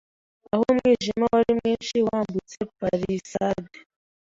aho umwijima wari mwinshi, wambutse palisade.